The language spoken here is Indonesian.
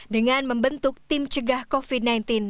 dengan membentuk tim cegah covid sembilan belas